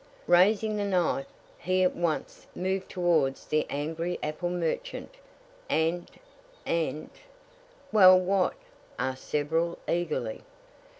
"Raising the knife, he at once moved towards the angry apple merchant, and and " "Well, what?" asked several, eagerly.